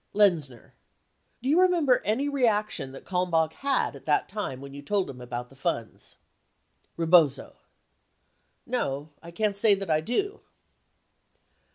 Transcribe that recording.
Lenzner. Do you remember any reaction that Kalmbach had at that time when you told him about the funds? Rebozo. No. I can't say that I do.